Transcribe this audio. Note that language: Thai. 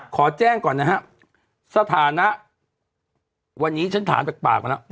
ขอแจ้งก่อนนะฮะสถานะวันนี้ฉันถามจากปากมาแล้ว